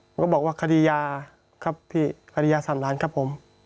ผมก็บอกว่าคดียาครับพี่คดียา๓ล้านครับผม